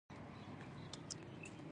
ایا زه باید وودکا وڅښم؟